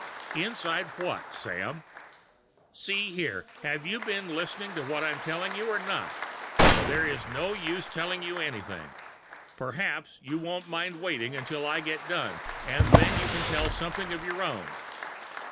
"Inside what, Sam?" "See here! have you been listening to what I'm telling you, or not? There is no use telling you anything. Perhaps you won't mind waiting till I get done, and then you can tell something of your own.